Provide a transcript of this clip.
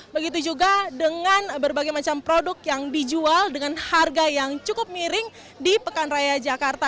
begitu juga dengan berbagai macam produk yang dijual dengan harga yang cukup miring di pekan raya jakarta